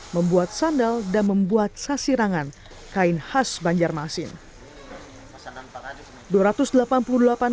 membuat sandal dan membuat sasirangan kain khas banjarmasin